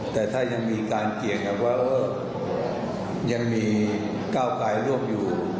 แต่ถ้ายังมีการเกี่ยงกันว่ายังมีก้าวไกลร่วมอยู่